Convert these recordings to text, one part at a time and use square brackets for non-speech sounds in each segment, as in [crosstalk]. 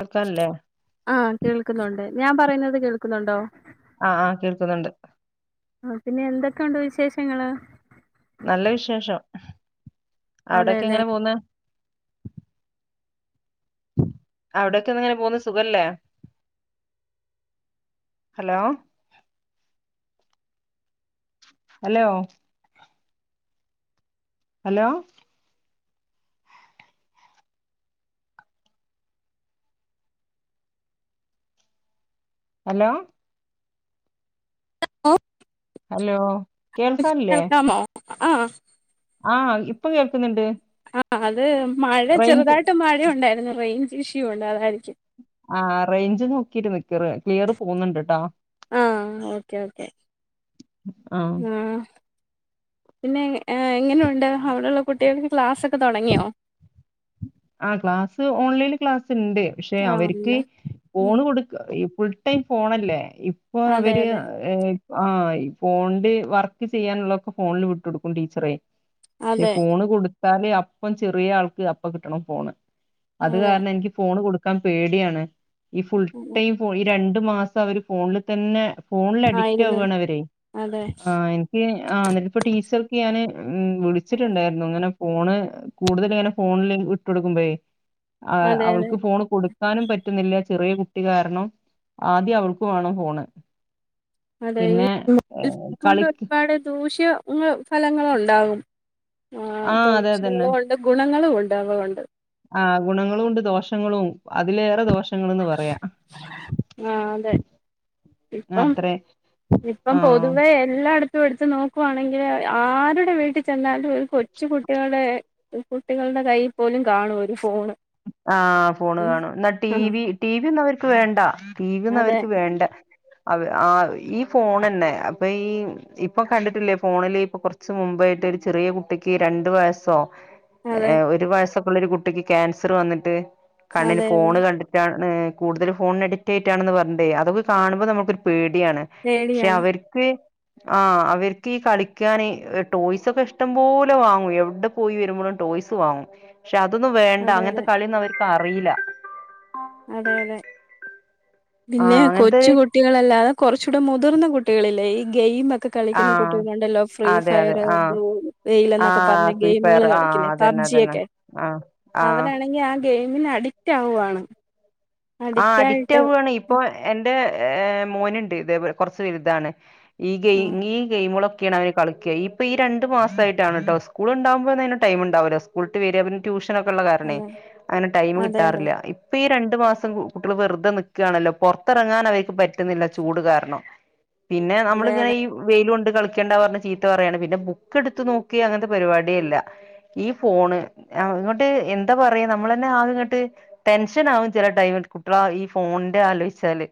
കേൾക്കാനില്ലേ ആഹ് കേൾക്കുന്നുണ്ട് ഞാൻ പറയുന്നത് കേൾക്കുന്നുണ്ടോ ആഹ് ആഹ് കേൾക്കുന്നുണ്ട് ആ പിന്നെ എന്തൊക്കെണ്ട് വിശേഷങ്ങള് നല്ല വിശേഷം അവിടൊക്കെ അതെല്ലേ എങ്ങനെ പോവുന്നെ അവിടൊക്കങ്ങനെ പോകുന്നെ സുഖല്ലേ hello hello hello hello [inaudible] hello കേൾക്കാല്ലേ കേൾക്കാമോ ആഹ് ആഹ് ഇപ്പം കേൾക്കുന്നുണ്ട് [inaudible] അത് മഴ റേഞ്ച് ചെറുതായിട്ട് മഴയുണ്ടായി റെയ്ഞ്ച് ഇഷ്യൂ ഉണ്ട് അതായിരിക്കും ആ റേഞ്ച് നോക്കിട്ട് നിക്ക്‌ റേ ക്ലിയറു പോന്ന്‌ണ്ട്ട്ടോ. ആ ഓക്കെ ഓക്കെ ആഹ് ആ പിന്നെ എ എങ്ങനെയുണ്ട് അവിടൊള്ള കുട്ടികൾക്ക് ക്ലാസൊക് തൊടങ്ങിയോ? ആ ക്ലാസ് ഓൺലൈനില് ക്ലാസ് ണ്ട് പഷെ ആഹ് അവരിക്ക് ഇല്ല ഉം ഫോണ് കൊടുക്ക ഇ ഫുൾടൈം ഫോണല്ലേ. പ്പ അതെ അവര് അതെ ഏ ആയി [unintelligible] വർക്ക് ചെയ്യാനുള്ളക്കെ ഫോണിൽ വിട്ടു കൊടുക്കും ടീച്ചറെ. ഈ അതെ ഫോണ് കൊടുത്ത് ത്താല് അപ്പം ചെറിയ ആൾക്ക് അപ്പം കിട്ണ ട്ടണം ഫോണ്. അത് അതെ കാരണം എനിക്ക് ഫോൺ കൊടു ക്കാൻ പേടിയാണ്. ഈ ഫുൾടൈം ഫോ ഈ രണ്ട് ണ്ട് മാസവര് ഫോണിത്തന്നെ ഫോണിലടിക്ട് ആയിരുന്നു ആവുവാണവര് അതെ ആ എനിക്ക് ആഹാ എന്നിട്ടിപ്പ ടീച്ചർക്ക് ഞാന് ഉം വിളിച്ചിട്ടുണ്ടായിരുന്നു ങ്ങനെ ഫോണ് കൂടുതല്ങ്ങനെ ഫോണില് വിട്ട് ട്ട് കൊടുക്കുമ്പേ ആഹാ അതെ അതെ അവൾക്ക് ഫോണ് കൊടുക്കാനും പറ്റുന്നില്ല ചെറിയ ട്ടിയാരണം ആദ്യം അവൾക്ക്‌ വേണം ഫോണ്. അതെ ഈ പിന്നെ ഏ, [unintelligible] കളിക്ക് കൊണ്ടൊരുപാട് ദൂഷ്യം [inaudible] ഫലങ്ങളും ഉണ്ടാവും ആ അതെ അതന്നെ ദോഷങ്ങളും ഉണ്ട് ഗുണങ്ങളുമുണ്ടാവുമതുകൊണ്ട്. ആ ഗുണങ്ങളും ഉണ്ട് ദോഷങ്ങളും അതിലേറെ ദോഷ ആ അതെ ഇപ്പം അത്രേ ഇപ്പം ആഹ് പൊതുവെ എല്ലാടിത് പ്പം എടുത്ത് നോക്കുവാണെങ്കിൽ ആരുടെ വീട്ടിൽ ചെന്നാൽ ഒരു കൊച്ചു കുട്ടികളെ കുട്ടികൾടെ കൈയിൽ പോലും കാണും ഒരു ഫോണ്. ആഹാ ഫോണ് ഉം കാണും. ഇന്നാ ടി ആഹ് വി റ്റി വി യൊന്നും അവർക്ക് വേണ്ട. റ്റി വിയൊന്നും അതെ അവിര്ക്ക് വേണ്ട. അ ആ ഈ ഫോണ് തന്നെ അപ്പൊ ഈ ഇപ്പൊ കണ്ടിട്ടില്ലേ ഫോണില് ഇപ്പൊ കുറച്ച് മുമ്പായിട്ട് ഒരു ചെറിയ കുട്ടിക്ക് രണ്ടു വയസ്സോ അതെ ഏ ഒരു വയസ് ഒരു കുട്ടക്ക് ക്യാൻ സർ വന്നിട്ട് കണ്ണിന് അതെ അതെ ഫോണ് കണ്ടിട്ടാണ്- ഉം കൂടുതൽ ഫോണിന് അഡിക്റ്റായിട്ടാണെന്ന് പറഞ്ഞട്ടത്. അതൊക്ക കാണുമ്പോൾ നമ്മുക്കൊരു പേടി. ടിയാണ് പക്ഷെ പേടിയാണ് അവർക്ക് ആ അവർക്ക് ഈ കളിക്കാന് ടോയ്സൊക്കെ ഇഷ്ടം പോലെ വാങ്ങും എവിടെ പോയി വരുമ്പോഴും ടോയ്‌സ് വാങ്ങും. പക്ഷേ അതൊന്നും വേണ്ട അതെ അതെ അങ്ങ അവരിക്ക് അറിയില്ല. അതെയതെ. പിന്നെ ആഹ് അങ്ങനത്തെ കൊച്ചു കുട്ടികളല്ലാതെ കൊറച്ച് ഇവിടെ മുതിർന്ന കുട്ടികളില്ലേ ഈ ഗെയിമൊ ക്കെ കളിക്കുന്ന ആഹ് കുട്ടികളുണ്ടല്ലോ ഫ്രീ അതെ അതെ ഫയറ്, ആഹ് ബ്ലു വെയില് ആഹ് ഫ്രീ ഗെയിമുകൾ ഫയർ ആഹ് കളിക്കണ അതന്നെ അതന്നെ പബ്ജിയൊക്കെ ആഹ് ആഹ് അവനാണങ്കി ആ ഗെയിമിന് അഡിക്റ്റ് ആവുവാണ്. ആ അഡിക്റ്റ് ആവുവാണ് ഇപ്പോ എന്റെ മോനുണ്ട് ഇതേപോ കുറച്ച് വലുതാണ്. ഈ ആ ഗെയിം ഈ ഗെയിമുകളും ക്കെയാണ് അവന് കളിക്കാ ഇപ്പോ ഈ രണ്ട് മാസമാസായിട്ടാണ് കേട്ടോ സ്കൂളുണ്ടാവുമ്പോൾ അതിന് ടൈമിണ്ടാവൂല സ്കൂളിട്ട് വരെ പിന്നെ ട്യൂഷ നൊക്കെയുള്ള കാരണമേ അതെ അങ്ങനെ ടൈം അതെ അതെ കിട്ടാറില്ല ഇപ്പോ ഈ ര ണ്ട് മാസം കുട്ടികള് വെറുതെ നിക്കാണല്ലോ പൊറത്തിറങ്ങാൻ അവരിക്ക് പറ്റുന്നില്ല ചൂട് കാരണം. പിന്നെ നമ്മള് അതെ ഇങ്ങനെ ഈ വെയില് കൊണ്ട് കളിക്കണ്ടാ പറഞ്ഞ് ചീത്ത പറയാണ് പിന്നെ ബുക്ക് എടുത്ത് നോക്കേ അങ്ങനത്തെ പരിപാടിയേ ഇല്ല, ഈ ഫോണ് ഇങ്ങോട്ട് എന്താ പറയാ നമ്മളന്നെ ആകെയങ്ങോട്ട് ടെൻഷനാവും ചില [unintelligible] കുട്ടികള് ഈ ഫോണിന്റെ ആലോചിച്ചാല്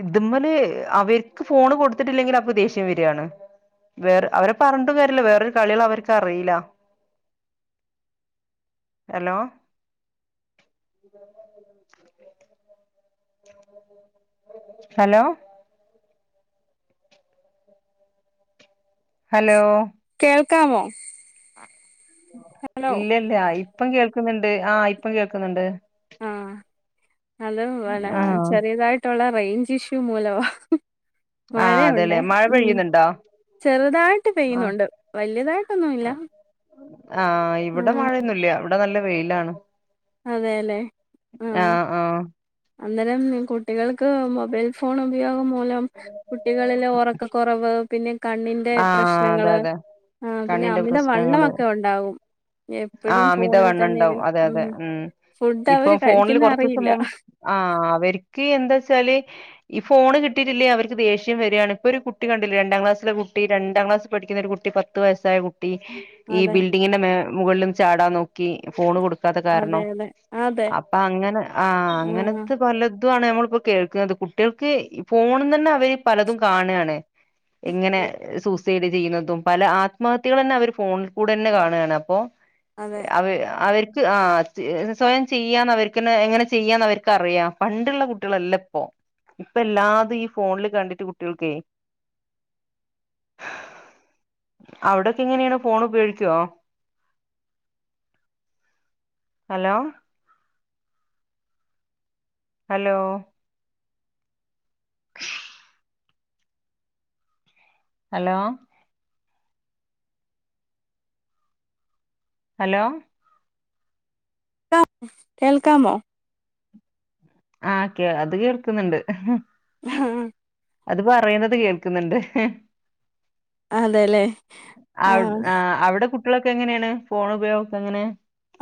ഇതുമേല് അവർക്ക് ഫോൺ കൊടുത്തിട്ടില്ലെങ്കിൽ അപ്പോ ദേഷ്യം വരുവാണ് വേറെ അവരെ പറഞ്ഞിട്ടും കാര്യല്ലാ വേറൊരു കളികള് അവർക്കറിയില്ല, ഹലോ ഹലോ ഹലോ കേൾക്കാമോ? ഹലോ ഇല്ലല്ല ആയി ഇപ്പം കേൾക്ക്ന്ന്ണ്ട് ആ ഇപ്പം കേൾക്ക്ന്ന്ണ്ട് ആ ഹലോ വലാ ആ ചെറിയതായിട്ടാെള്ളെ റെയ്ഞ്ച് ഇഷ്യു മൂലവാ ആ അതേല്ലെ മഴയുണ്ടേ മഴ ഉം പെയ്യ്ന്ന്ണ്ടോ ചെറുതായിട്ട് ആ പെയ്യുന്നുണ്ട് വലിയതായിട്ടൊന്നും ഇല്ല ആ ഇവിടെ മഴയൊന്നും ഇല്ല്യ ഇവിടെ നല്ല വെയിലാണ് അതേല്ലേ ആ ആഹ് ആഹ് അന്നേരം കുട്ടികൾക്ക് മൊബൈൽ ഫോൺ ഉപയോഗം മൂലം കുട്ടികളിലെ ഒറക്കക്കാെറവ് പിന്നെ കണ്ണിന്റെ ആഹ് അതെ പ്രശ്നങ്ങള് അതെ ആ പിന്നെ കണ്ണിന്റെ പ്രശ്നങ്ങള് അമിതവണ്ണമൊക്കെ ഒണ്ടാവും എപ്പഴും ആഹ് ഫോണിൽ അമിതവണ്ണം തന്നെലെ ഉണ്ടാവും അതെ ഉം അതെ ഫുഡവര് കഴിക്ക്ന്നെ അറിയില്ല ആ അവരിക്ക് എന്താ വെച്ചാല് ഈ ഫോണ് കിട്ടിയിട്ടില്ലേ അവർക്ക് ദേഷ്യം വരുകയാണ് ഇപ്പൊ ഒരു കുട്ടി കണ്ടില്ലേ രണ്ടാം ക്ലാസ്സിലെ കു ട്ടി രണ്ടാം ക്ലാസിൽ പഠിക്കുന്ന ഒരു കുട്ടി പത്ത് വയസ്സായ കുട്ടി ട്ടി ഈ അതെ ബിൽഡിങ്ങിന്റെ മേ മുകളിലിൽ നിന്ന്ചാടാൻ നോക്കി ഫോൺ കൊടുക്ക ക്കിത്ത അതെ അതെ അതെ കാരണംഅപ്പൊ അങ്ങനെ ആ ആഹ് അങ്ങനത്തെ പല തും ആണ് നമ്മളിപ്പോ കേൾക്കുന്നത് കുട്ടികൾക്ക് ഫോണിന്ന് തന്നെ അവര് പലതും കാണാണ് എങ്ങനെ സയിഡ് ചെയ്യുന്നതും പല ആത്മഹത്യകൾ തന്നെ അവര് ഫോണിൽ കൂടെ തന്നെ കാണുകയാണ് അപ്പോ അതെ അവെ അവരി ആ സ്വയം ചെയ്യാന്ന് അവർക്ക്തന്നെഎങ്ങനെ ചെയ്യാന്ന് അവർക്ക് അറിയ പണ്ടുള്ള കുട്ടികളല്ല ഇപ്പോ ഇപ്പ എല്ലാതും ഈ ഫോണില് കണ്ടിട്ട് കുട്ടികൾക്കേ അവിടൊക്കെ എങ്ങനെയാണ് ഫോൺ ഉപയോഗിക്കുവോ ഹലോ ഹലോ ഹലോ ഹലോ കേൾക്കമോ ആ കേൾ അത് കേൾക്കുന്നുണ്ട് ഹാ അത് പറയുന്നത് കേൾക്കുന്നുണ്ട് അതേലെ ആ അവിടെ കുട്ടികളൊക്കെ എങ്ങനെയാണ് ഫോൺ ഉപയോഗക്കെ എങ്ങനെയാ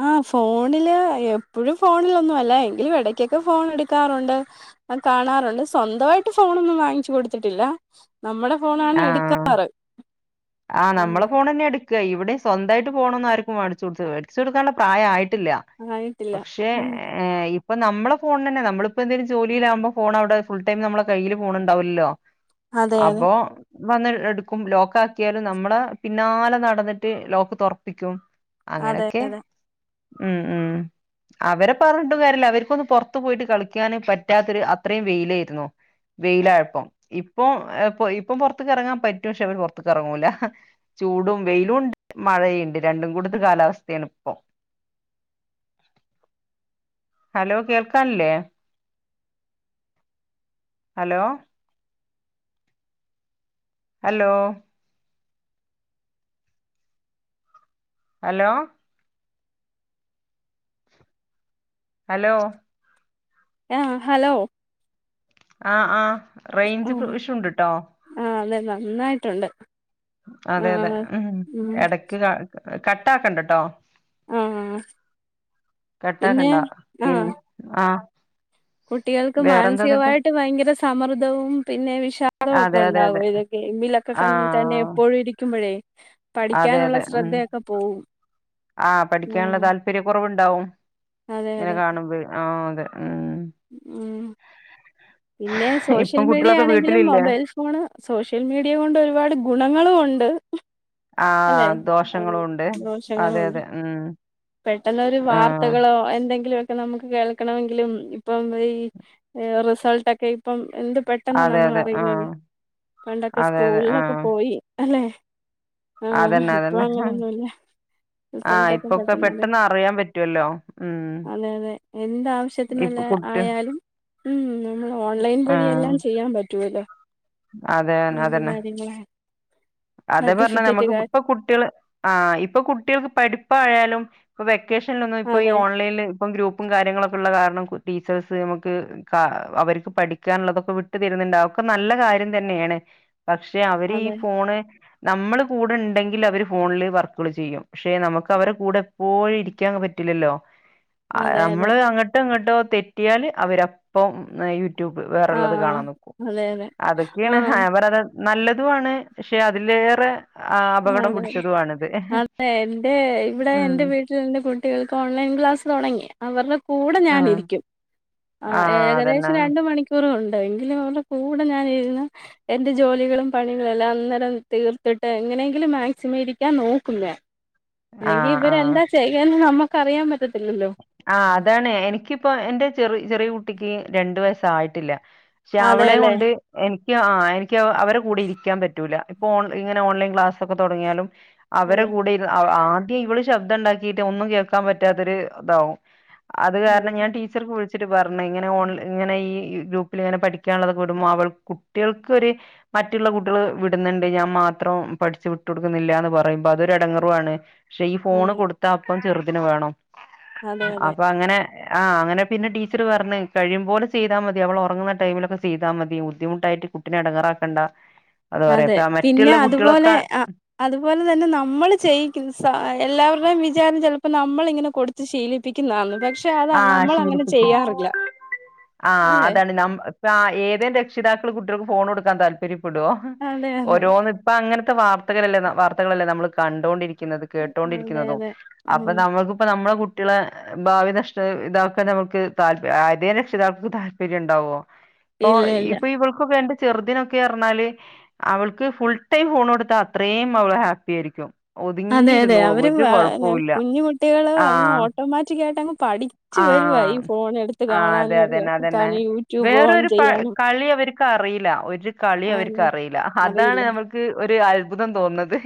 ആ ഫോണില് എപ്പഴും ഫോണിലൊന്നും അല്ല എങ്കിലും എടക്കൊക്കെ ഫോൺ എടുക്കാറുണ്ട് കാണാറുണ്ട് സ്വന്തമായിട്ട് ഫോണൊന്നും വാങ്ങിച്ചു കൊടുത്തിട്ടില്ല നമ്മുടെ ഫോണാണ് ആ എടുക്ക ആ ഉം നമ്മളെ ഫോണ് തന്നെ എട് ക്ക ഇവിടെ സ്വന്തമായിട്ട് ഫോണവന്നും ആർക്കും മേടിച്ചുകൊടുത്തില്ല മേടിച്ചുകൊടുക്കാനുള്ള പ്രായായി ഇല്ല ആയിട്ടില്ല പക്ഷേ ഉം ഇ ഇപ്പ നമ്മള് ഫോൺതന്നെ നമ്മളിപ്പോ എന്തെലും ജോലിലാകുമ്പോ ഫോൺ അടെ ഫുൾ ടൈം നമ്മളെ കയ്യില് ഫോണ്ണ്ടാവൂലല്ലോ അതെ അതെ വന്ന് എടുക്കും ലോക്ക് ആക്കിയാലും നമ്മുടെ പിന്നാലെ നടന്നിട്ട് ലോക്ക് തുറപ്പിക്കും അതെ അതെ ഉം ഉം അവരെ പറഞ്ഞിട്ടും കാര്യല്ല അവർക്കൊന്ന് പുറത്ത് പോയിട്ട് കളിക്കാന് പറ്റാത്തൊരു അത്രയും വെയിലായിരുന്നു വെയിലായപ്പം ഇപ്പൊ ഇ ഇപ്പൊ പുറത്തക്ക്റങ്ങാൻ പറ്റും പക്ഷെ അവര് പൊറത്ത്ക്കെറങ്ങൂല ചൂടും വെയിലുംണ്ട് മഴയുണ്ട് രണ്ടും കൂട്ത്ത് കാലാവസ്ഥയാണ് ഇപ്പം ഹലോ കേൾക്കാൻല്ലേ ഹലോ ഹലോ ഹലോ ഹലോ ആഹ് ഹലോ ആഹ് ആഹ് റേഞ്ച് പ്രൊ ഇഷൂണ്ട്ട്ടോ ന്നായിട്ടുണ്ട് അതെ അതെ ഊം എടക്ക് ക കട്ടാക്കണ്ടട്ടോ ആഹ് പിന്നെ കട്ടാക്കണ്ട പിൻ ആഹ് കുട്ടികൾക്ക്‌ മാനസികമായിട്ട് ഭയങ്കര സമർദ്ധവും പിന്നെ വിഷാദവൊക്കെ അതെ അതെ അതെ ഒണ്ടാവോല്ലോ ഗൈയിമിലൊക്കെ ആ [unintelligible] പോഴിരിക്കും മ്പഴേ പഠിക്കാനുള്ള ശ്രദ്ധയൊക്കെ പോവും ആഹ് പഠിക്കാനുള്ള ഉം താല്പര്യകുറവുണ്ടാവും അതെ ഇങ്ങനെ അതെ കാണുമ്പഴ് ആഹ് അതെ ഉം ഉം പിന്നെ സോഷ്യൽ ഇപ്പം മീഡിയ കുട്ടികളൊക്കെ ആണെങ്കിലും വീട്ടിലില്ലേ മൊബൈൽ ഫോണ് സോഷ്യൽ മീഡിയകൊണ്ട് ഒരുപാട് ഗുണങ്ങളൂണ്ട്. ആഹ് ദോഷങ്ങളൂണ്ട് ദോഷങ്ങളും അതെ ഉണ്ട് അതെ ഹ്മ് പെട്ടെന്നൊരു വാർത്തകളോ എന്തെങ്കിലോ നമുക്ക് കേൾക്കണമെങ്കിലും ഇപ്പം ഈ റിസൾട്ട് ഒക്കെ ഇപ്പം എന്ത് പെട്ടെന്നാ അതെ നമ്മൾ അതെ അറിയുന്നത്. ആഹ് പണ്ടൊക്കെ അതെ അതെ സ്കൂൾലൊക്കെ ആഹ് പോയി. അല്ലേ അതന്നെ അതന്നെ ആഹ് റിസൾട്ടൊക്കെ ഇപ്പൊക്കെ പെട്ടെന്നാണ് പെട്ടെന്ന് അറിയാൻ പറ്റുവല്ലോ ഊം എന്ത്‌ ആവശ്യത്തിനല്ല ആയാലും ഹൂം ഓൺലൈൻ ആഹ് വഴിയെല്ലാം ചെയ്യാൻ പറ്റുവല്ലോ അതെ അത് എന്ത് അതന്നെ കാര്യങ്ങളാ അതേപറഞ്ഞത് സർട്ടിഫിക്കറ്റ് നമ്മക്ക് കാ പ്പൊ കുട്ട്യള് ആ ഇപ്പൊ കുട്ട്യൾക്ക് പഠ് പ്പയാലും ഇപ്പ വെ ക്കേഷന്ലൊന്നും ഇപ്പോ ഈ അതെ ഓൺലൈല് ഇപ്പം ഗ്രൂപ്പും കാര്യങ്ങളൊക്കെ ഉള്ള കാരണം ടീച്ചേഴ്സ് നമ്മക്ക് കാ അവര്ക്ക് പഠിക്കാനുള്ളതൊക്കെ വിട്ടു തരുന്നുണ്ട് അതൊക്കെ നല്ല കാര്യം തന്നേണ് പക്ഷെ അവരീ അതെ നമ്മള് കൂടെ ണ്ടെങ്കിൽ അവര് ഫോണില് വർക്കുള് ചെയ്യും പക്ഷെ നമ്മക്ക് അവരെ കൂടെ എപ്പോഴും ഇരിക്കാൻ പറ്റില്ലല്ലോ ആഹ് അതെ അതെ നമ്മള് അങ്ങട്ട് ഇങ്ങട്ടോ തെറ്റിയാൽ അവരപ്പം ന് ട്യൂബ് വേറെള്ളത് ആഹ് കാണാൻ നിക്കും അതെ അതെ അതൊക്കേണ് ആഹ് [unintelligible] നല്ലതുആണ് പക്ഷെ അതിലേറെ ആ, അപകടം പിടിച്ചതുമാണിത് ആഹ് അതെ എന്റെ ഇവിടെ എന്റെ വീട്ടില് എന്റെ കുട്ടികൾക്ക് ഓൺലൈൻ ക്ലാസ്സ് തുടങ്ങിയ അവർറെ കൂടെ ഞാനിരിക്കും ആ ആഹ് അതന്നെ ഏകദേശം രണ്ടു മണിക്കൂർ [unintelligible] ണ്ട് എങ്കിലും അവർടെ കൂടെ ഞാനിരിന്ന് എന്റെ ജോലികളും പണികളെല്ലാം അന്നേരം തീർത്തിട്ട് എങ്ങനെങ്കി ലും മാക്സിമരിക്കാൻ നോക്കുനാൻ ഇല്ലെങ്കി ആഹ് ഇവരെ എന്താ ചെയ്യൻ നമ്മക് അറിയൻ പറ്റത് ആ അതാണ് എനിക്കിപ്പോ എന്റെ ചെറി ചെറിയ കുട്ടിക്ക് രണ്ടു വയസ്സ് ആയിട്ടില്ല പക്ഷെ അവളേം അതെല്ലേ കൊണ്ട് എനി ക് ആ എനിക്ക് അവ അവരെ കൂടി ഇരിക്കാ പറ്റൂല ഇപ്പൊ ഓൺ ഇങ്ങനെ ഓൺലൈൻ ക്ലാസ്സൊക്കെ തൊട്ങ്ങിയാലും അവരെ അതെ കൂടെ ഇര് ആ ആ ദേ ഇവള് ശബ്ദംണ്ടാക്കിയിട്ട് ഒന്നും കേൾക്കാൻ പറ്റാതെരു അതാവും അത് കാരണം അതെ ഞാൻ ടീച്ചർക്ക് വിളിച് പറഞ് ഇങ്ങനെ ഓൺൽ ഇങ്ങനെ ഈ ഈ ഗ്രൂപ്പിൽ ഇങ്ങനെ പഠിക്കാനുള്ളതൊക്കെ വിടുമ്പോ അവൾ കുട്ടിയാൾക്കൊര് മറ്റുള്ള കുട്ടികൾ വിട്ന്ന്ണ്ട് ഞാൻ മാത്രം പഠിച്ചു വിട്ടു കൊടുക്കുന്നില്ല എന്ന് പറയുമ്പോ അതൊരു എടങ്ങേറുവാണ് പക്ഷെ ഈ ഫോണ് അതെ കൊടുത്ത അപ്പം ചെർത് പിന്നെ വേണം അതെ അതെ അപ്പൊ അങ്ങനെ ആഹ് അങ്ങനെ പിന്നെ ടീച്ചർ പർഞ്ഞ് കഴിയും പോലെ ചെയ്താ മതി അവള് ഒറങ്ങുന്ന ടൈമിലൊക്കെ ചെയ്താ മതി ബുദ്ധിമുട്ടായിട്ട് കുട്ടിനെ എ ടങ്ങാറാക്കേണ്ട അതെ പിന്നെ അതുപോലെ അ അതുപോലെ തന്നെ നമ്മള് ചെയ്യിക്കും സ എല്ലാവര് വൻവിചാരംചെൽപ്പം നമ്മള് ഇങ്ങനെ കൊട്ത്ത് ശീലിപ്പിക്ക്ന്നാണ് പ ആഹ് ശീലപ്പിക്കും ആ അല്ലെ അതാണ് നാം ആ ഏതേ രക്ഷിതാക്കൾ കുട്ട്യാൾക്ക് ഫോൺ കൊടുക്കാൻ താല്പര്യം ടോ അതെ അതെ ഓരോന്ന് ഇപ്പ അങ്ങനെ ത്ത വാർത്തകരല്ലേ വർത്തകളല്ലേ നമ്മൾ കണ്ടോണ്ടിരിക്കു ക്കുന്നത് അതെ കേട്ടോണ്ടിരിക്കുന്നതും അതെ അപ്പൊ ഉം നമ്മക്ക് പ്പോ നമ്മളെ കുട്ട് കുട്ട്യളെ ഭാവി നഷ് [unintelligible] ഇതാക്കാൻ നമുക്ക് താല്പ ഏതേ രക്ഷിതാക്കൾക്ക് താല്പര്യം ണ്ടാവോ പ്പൊ ഇല്ല ഇല്ല ഇപ്പൊ ഇവൾക്ക് വേണ്ട ചെറുതിനിനൊക്കെഅർന്നാല് അവൾക്ക് ഫുൾ ടൈം ഫോൺ കൊടുത്താ അത്രയും അവള് ഹാപ്പി ആയിരിക്കും അതെ അതെ ഒതുങ്ങിയിരുന്നോളും അവര് ഒരു [unintelligible] കൊഴപ്പവുല്ല കുഞ്ഞു കുട്ടികള് അങ്ങ് ആഹ് ഓട്ടോമാറ്റിക് ആയിട്ട് അങ്ങ് പഠിക് ച്ച് വരുവാ ആഹ് ഈ ഫോൺ എടുത്ത് ആഹ് അതെ കാണാനുംക്കെ അതന്നെ അതന്നെ ക്കാൻ ഈ യൂട്യൂബ് ഓൺ ചെയ്യാനും വര്ക്കറീല ഒര് കളി ആന്ന് അവര്ക്കറീല അതാണ് അറിയില്ല. ഞമ്മക്ക് ഒ അത്ഭുതം തോന്നുന്നത്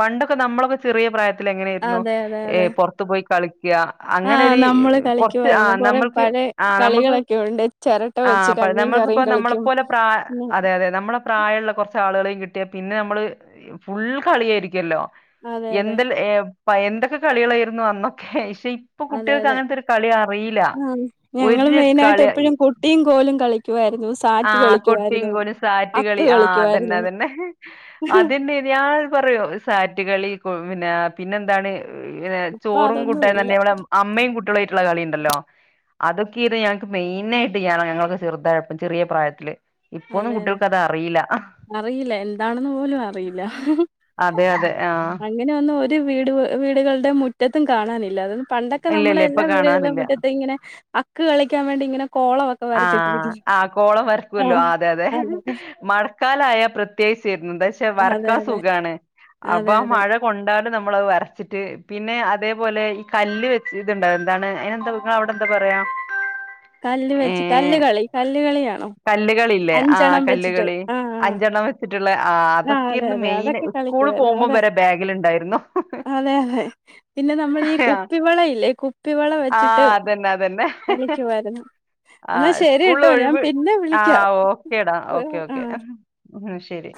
പണ്ടൊക്കെ നമ്മളൊക്കെ ചെറിയ പ്രായ ത്തിലെങ്ങനായിരുന്നു അതെ അതെ അതെ. പുറത്തു പോയി കളി ക്ക ആ അങ്ങനെരു നമ്മള് കുറച്ച് ആ കളിക്കുവായിരുന്നു. കൊറെ നമ്മൾക്ക് പഴയ ആ നമ്മുക്ക് കളികളൊക്കെ ഉണ്ട്. ചിരട്ട ആ വെച്ച് കഞ്ഞിയും നമ്മൾക്കിപ്പോ കറിയും കളിക്കും. നമ്മളെപ്പോലെ പ്ര പിന്നെ അതെ അതെ നമ്മള പ്രായമുള്ള കുറച്ച് ആളുകളെ കിട്ടിയ പിന്നെ നമ്മള് ഫുൾ കളിയ ആയിരിക്കല്ലോ. അതെ അതെ. എന്തൽ ഏഹ് അപ്പ എന്തൊക്കെ കളികളായിരുന്നു അന്നൊക്കെ ഇപ്പോ കുട്ടികൾക്ക് അങ്ങനത്തെ കളി അറിയില്ല ആ ഞങ്ങള് ഒരു മെയിനായിട്ട് എപ്പോഴും കുട്ടിയും കോലും. കളിക്ക് ആഹ് കുട്ടിയും കോലും സാറ്റ് കളി അക്ക് ആഹ് അതന്നെ കളിക്കുവായിരുന്നു. അതന്നെ അതന്നെ ഞാൻ പറയോ സാറ്റ്കളി പിന്നെ പിന്നെന്താണ്. പിന്നെ ഇപ്പൊ ചോറും അതൊന്നും കൂട്ടാന് ഇല്ല. തന്നെ നമ്മടെ അമ്മയും കുട്ടികളയിട്ടുള്ള കളിയുണ്ടല്ലോ അതൊക്കെ ഇത് ഞങ്ങക്ക് മെയിനായിട്ട് [inaudible] ഞങ്ങളൊക്കെ ചേർതായി അപ്പം ചെറിയ പ്രായത്തില് ഇപ്പൊന്നും അതെ അതെ കുട്ടികൾക്ക് അത് അറിയില്ല അറിയില്ല എന്താണെന്ന് പോലും അറീല അതെ അതെ ആ അങ്ങനെ ഒന്നും ഒ റ്റ് വീട് വീടുകളുടെ മുറ്റത്തും കാണാനില്ല അത് പണ്ടൊക്കെ ഇല്ല നമ്മുടെ ഇല്ല ഇപ്പൊ എല്ലാ വീടുകളെ കാണാനില്ല മുറ്റത്തും ഇങ്ങനെ അക്ക് കളിക്കാൻ വേണ്ടി ഇങ്ങനെ കോളമൊക്കെ ആഹ് വരച്ചിട്ടിരിക്കുന്നു. ആ കോളം വരക്കുവല്ലോ ആഹ് ആ അതെ അതെ അതെതെ. മഴക്കാലായ പ്രത്യേകിച്ചേര്ന്നു എന്താച്ചാ അതെ, വരക്കാ അതെ. സുഖാണ് അതെ, അപ്പൊ ആ അതെ. മഴ കൊണ്ടാണ്ട് നമ്മളത് വരച്ചിട്ട് പിന്നെ അതേപോലെ ഈ കല്ല് വെച്ച് ഇത്ണ്ട എന്താണ് അയിനെന്താ ഇങ്ങളവിടെ എന്താ പറയാ? കല്ല് വെച്ച് ഏഹ് കല്ല്കളി കല്ല് കളിയാണോ കല്ലുകളില്ലേ ആഹ് അഞ്ചെണ്ണം വെച്ചിട്ട് കല്ലുകളി ആ ആ. അഞ്ചെണ്ണം വെച്ചിട്ടുള്ള ആഹ് ആ അതെ അതൊക്കെയായിരുന്നു അതെ മെയിന് അതക്കെ സ്കൂള് കളിക്കുവാരുന്നു പോകുമ്പം അതെ വരെ ബാഗിലുണ്ടായിരുന്നു അതെ അതെ പിന്നെ നമ്മൾ ഈ ആഹ് കുപ്പിവള ഇല്ലേ കുപ്പിവള വെച്ചിട്ട് അതന്നെ കളിക്കുവാര്ന്ന്. ആ സ്കൂൾ ല് ഒഴിവ് ആ ഓക്കേടാ ഓക്കെ, ഓക്കെ, ആഹ്. ഉം ശരി.